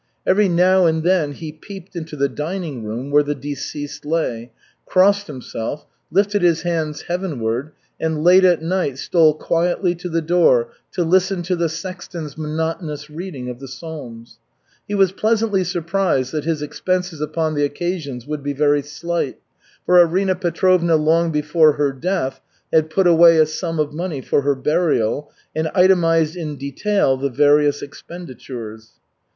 Every now and then he peeped into the dining room where the deceased lay, crossed himself, lifted his hands heavenward, and late at night stole quietly to the door to listen to the sexton's monotonous reading of the Psalms. He was pleasantly surprised that his expenses upon the occasions would be very slight, for Arina Petrovna long before her death had put away a sum of money for her burial and itemized in detail the various expenditures.